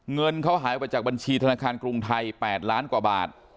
เงินเขาหายไปจากบัญชีธนาคารกรุงไทย๘ล้านกว่าบาท